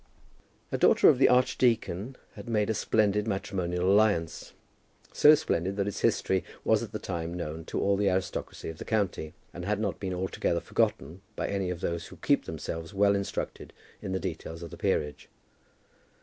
A daughter of the archdeacon had made a splendid matrimonial alliance, so splendid that its history was at the time known to all the aristocracy of the county, and had not been altogether forgotten by any of those who keep themselves well instructed in the details of the peerage.